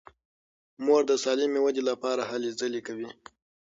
مور د سالمې ودې لپاره هلې ځلې کوي.